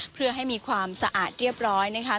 เพื่อให้มีความสะอาดเรียบร้อยนะคะ